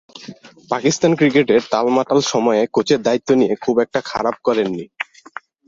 পাকিস্তান ক্রিকেটের টালমাটাল সময়ে কোচের দায়িত্ব নিয়েও খুব একটা খারাপ করেননি।